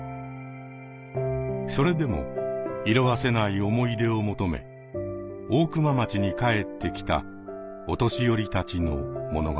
それでも色あせない思い出を求め大熊町に帰ってきたお年寄りたちの物語です。